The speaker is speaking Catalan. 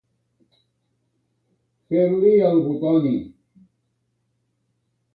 Fer-li el butoni.